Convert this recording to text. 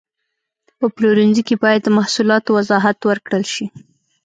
په پلورنځي کې باید د محصولاتو وضاحت ورکړل شي.